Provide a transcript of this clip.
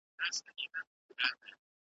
په لوی ښار کي یوه لویه وداني وه .